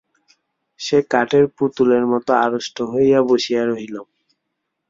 সে কাঠের পুতুলের মতো আড়ষ্ট হইয়া বসিয়া রহিল।